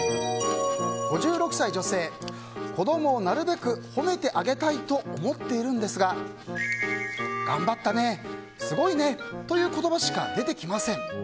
５６歳女性子供をなるべく褒めてあげたいと思っているんですが頑張ったね、すごいねという言葉しか出てきません。